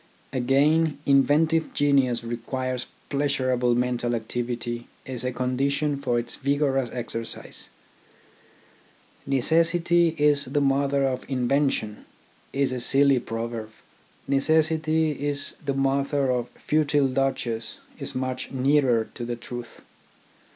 Again, inventive genius requires pleasurable mental activity as a condition for its vigorous exercise. "Necessity is the mother of invention" is a silly proverb. gt Necessity is the mother of futile dodges " is much nearer to the truth.